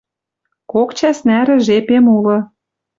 Кок чӓс нӓрӹ жепем улы